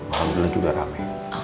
alhamdulillah juga rame